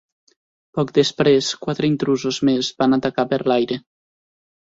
Poc després, quatre intrusos més van atacar per l'aire.